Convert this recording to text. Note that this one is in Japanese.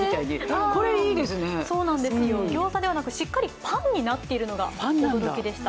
ギョーザではなくしっかりパンになっているのが驚きでした。